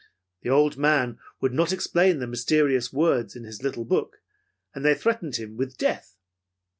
The old man would not explain the mysterious words in his little book, and they threatened him with death.